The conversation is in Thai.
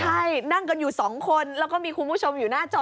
ใช่นั่งกันอยู่๒คนแล้วก็มีคุณผู้ชมอยู่หน้าจอ